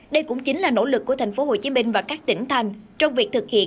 đây cũng chính là nỗ lực của tp hcm và các tỉnh thành trong việc thực hiện